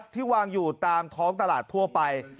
ที่วางอยู่ตามท้องตลาดทั่วไป